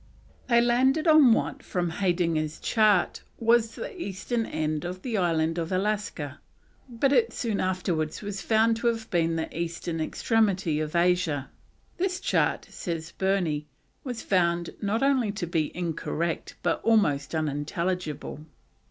They landed on what, from Heydinger's Chart, was the eastern end of the island of Alaska, but it afterwards was found to be the eastern extremity of Asia. This chart, says Burney, was found "not only to be incorrect but almost unintelligible."